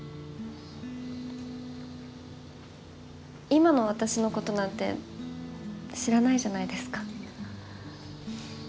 今の私のことなんて知らないじゃないですか。